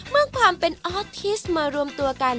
เมื่อความเป็นออทิสมารวมตัวกัน